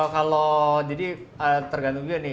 kalau jadi tergantung juga nih